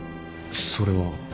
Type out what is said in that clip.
それは